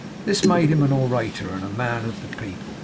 This made him an orator and a man of the people.